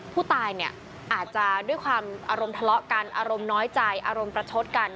ผู้ตายเนี่ยอาจจะด้วยความอารมณ์ทะเลาะกันอารมณ์น้อยใจอารมณ์ประชดกัน